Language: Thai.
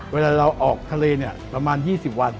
เวลาเราออกทะเลเนี่ยประมาณ๒๐วัน